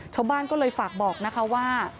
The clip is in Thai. ชาวบ้านก็เลยฝากบอกนะคะว่า